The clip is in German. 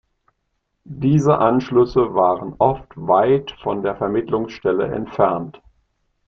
Diese Anschlüsse waren oft weit von der Vermittlungsstelle entfernt.